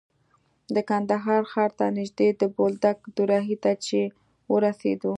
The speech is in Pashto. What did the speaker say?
د کندهار ښار ته نژدې د بولدک دوراهي ته چې ورسېدو.